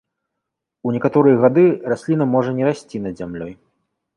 У некаторыя гады расліна можа не расці над зямлёй.